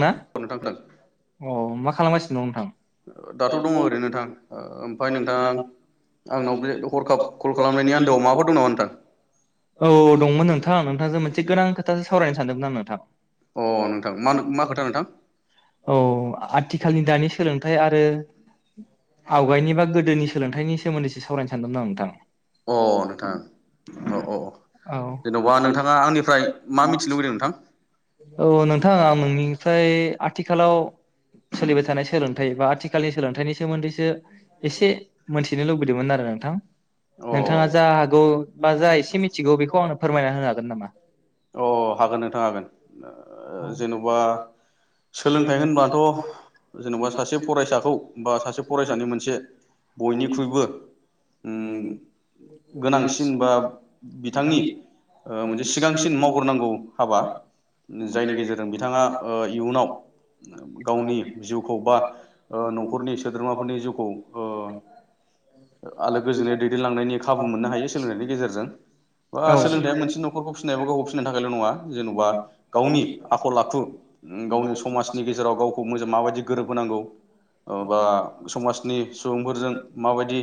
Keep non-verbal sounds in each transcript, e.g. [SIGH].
ना नोंथां खोनादों औ मा खालामगासिनो दं नोंथां दाथ' दङ ओरैनो नोंथां ओमफ्राय नोंथां दाथ आंनाव बे हरखाब कल खालामनायनि आन्दोआव माबाफोर दं नामा नोंथां औ दंमोन नोंथां नोंथांजों मोनसे गोनां खोथासो सावरायनो सानदोंमोन आं नोंथां अ नोंथां मा मा खोथा नोंथां औ आथिखालनि दानि सोलोंथाइ आरो आवगायनि बा गोदोनि सोलोंथाइनि सोमोन्दैसो सावरायनो सानदोंमोन अ नोंथां अ अ आं जेन'बा नोंथाङा आंनिफ्राय नोंथां मा मिथिनो लुबैदों नोंथां [UNINTELLIGIBLE] औ औ नोंथां आं ओमफ्राय आथिखालाव सोलिबाय थानाय सोलोंथाइ बा आथिखालनि सोलोंथाइनि सोमोन्दैसो एसे मोनथिनो लुबैदोंमोन आरो नोंथां अ नोंथाङा जा हागौ बा जा एसे मिथिगौ बेखौ आंनो फोरमायना होनो हागोन नामा अ हागोन नोंथां हागोन ओ बा सोलोंथाइ होनबाथ' जेनेबा सासे फरायसाखौ बा सासे फरायसानि मोनसे बयनिख्रुइबो ओम गोनांसिन बा बिथांनि ओ मोनसे सिगां मावग्रो नांगौ हाबा जायनि गेजेरजों बिथाङा ओ इयुनाव गावनि जिउखौ बा ओ नखरनि सोद्रोमाफोरनि जिउखौ ओ आलो गोजोनै दैदेनलांनायनि खाबु मोननो हायो सोलोंनायनि गेजेरजों बा सोलोंथाइ मोनसे नखरखौ फि [UNINTELLIGIBLE] गाखौ फिनो थाखायल' नङा जेनबा गावनि आखल आखु गावनि समाजनि गेजेराव गावखौ मोजां माबायदि गोरोबहांगौ ओ बा समाजनि सुबुंफोरजों माबायदि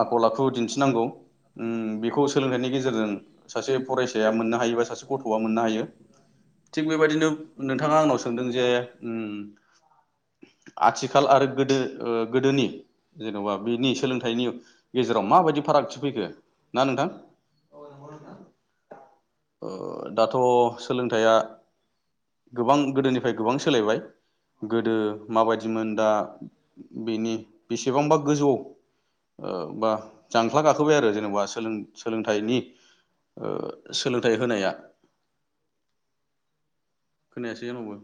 आखल आखु दिन्थिनांगौ उम बेखौ सोलोंथाइनि गेजेरजों सासे फरायसा साया मोननो हायो बा गथ'या मोननो हायो थिग बेबादिनो नोंथाङा आंनाव सोंदों जे ओम आथिखाल आरो गोदो ओ गोदोनि जेनबा बिनि सोलोंथाइनि गेजेराव माबायदि फारागथि फैखो ना नोंथां ओ दाथ' सोलोंथाइया गोबां गोदोनिफ्राय गोबां सोलायबाय गोदो माबायदिमोन दा बेनि बेसेबांबा गोजौआव ओ बा जांख्ला गाखोबाय आरो जेनेबा सोलों- सोलोंथाइनि ओ सोलोंथाइ होनाया खोनायासै जोंनावबो